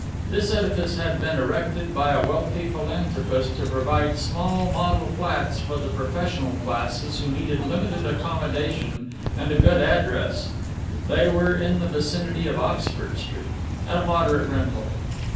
This edifice had been erected by a wealthy philanthropist to provide small model flats for the professional classes who needed limited accommodation and a good address (they were in the vicinity of Oxford Street) at a moderate rental.